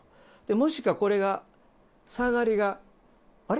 もしか、これが、下がりが、あれ？